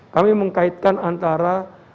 kami mengkaitkan antara